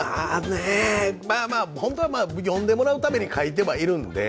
まあまあ、本当は読んでもらうために書いてはいるんで。